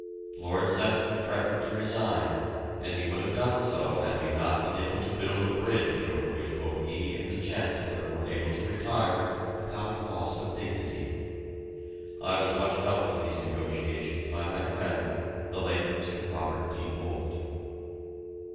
Lord Sefton threatened to resign, and would have done so had we not been able to build a bridge over which both he and the Chancellor were able to retire without loss of dignity. I was much helped in these negotiations by my friend, the late Mr. Robert D. Holt.